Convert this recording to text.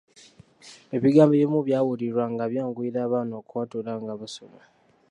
Ebigambo ebimu byawulirwa nga byanguyira abaana okwatula nga basoma.